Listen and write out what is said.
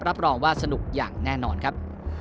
รับรองว่าสนุกอย่างแน่นอนครับ